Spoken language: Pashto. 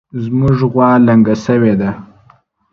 زمونږ غوا لنګه شوې ده